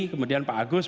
kemudian pak agus